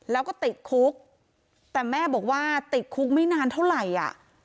แล้วก็ติดคุกแต่แม่บอกว่าติดคุกไม่นานเท่าไหร่อ่ะ